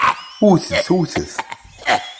Wwtet! Wwtet!